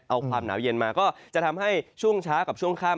เอาความหนาวเย็นมาก็จะทำให้ช่วงเช้ากับช่วงค่ำ